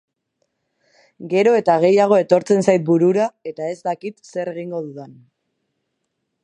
Gero eta gehiago etortzen zait burura eta ez dakit zer egingo dudan.